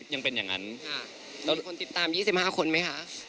มีคนติดตาม๒๕คนไหมคะ